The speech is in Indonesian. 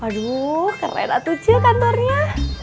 aduh keren atuh ce kantornya